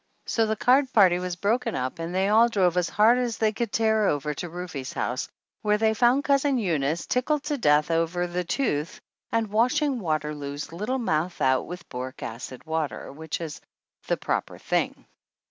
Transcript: So the card party was broken up and they all drove as hard as they could tear over to Rufe's house, where they found Cousin Eunice tickled to death over the tooth and washing Waterloo's little mouth out with boric acid water, which is the proper thing.